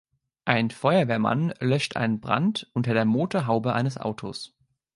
Ein Feuerwehrmann löscht einen Brand unter der Motorhaube eines Autos